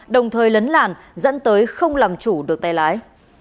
đồng thời lấn làn dẫn tới không làm chủ được tay lái